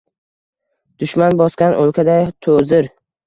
Dushman bosgan oʼlkaday toʼzir